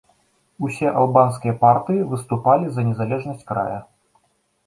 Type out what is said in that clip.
Усе албанскія партыі выступалі за незалежнасць края.